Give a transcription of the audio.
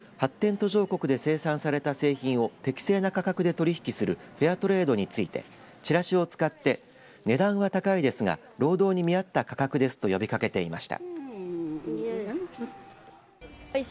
子どもたちは訪れた人に発展途上国で生産された製品を適正な価格で取り引きするフェアトレードについてちらしを使って値段は高いですが労働に見合った価格ですと呼びかけていました。